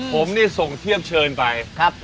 ผมนี่ส่งเทียบเชิญไป